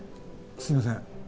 すいません